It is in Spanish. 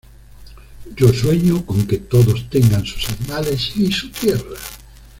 Yo sueño con que todos tengan sus animales y su tierra".